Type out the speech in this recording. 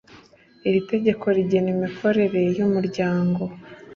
iri tegeko rigena imikorere y’umuryango